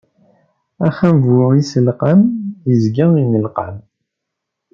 Axxam bu iselqam, izga innelqam.